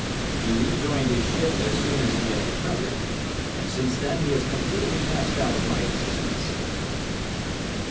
He rejoined his ship as soon as he had recovered, and since then he has completely passed out of my existence.